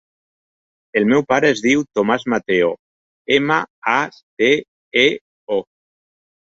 El meu pare es diu Tomàs Mateo: ema, a, te, e, o.